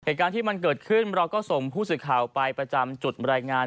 เหตุการณ์ที่มันเกิดขึ้นเราก็ส่งผู้สื่อข่าวไปประจำจุดรายงาน